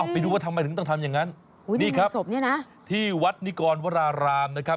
ไปดูว่าทำไมถึงต้องทำอย่างนั้นที่วัดนิกรวรารามนะครับ